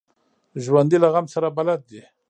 ژوندي له غم سره بلد دي